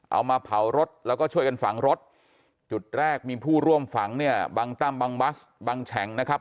เอามาเผารถแล้วก็ช่วยกันฝังรถจุดแรกมีผู้ร่วมฝังเนี่ยบังตั้มบางบัสบังแฉงนะครับ